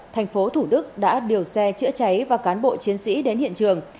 tp hcm đã điều xe chữa cháy và cán bộ chiến sĩ đến hiện trường